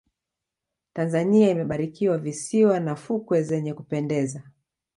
tanzania imebarikiwa visiwa na fukwe zenye kupendeza